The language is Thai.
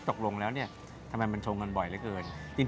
ตกลงแล้วเนี่ยทำไมมันชงกันบ่อยเหลือเกิน